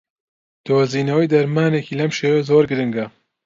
دۆزینەوەی دەرمانێکی لەم شێوەیە زۆر گرنگە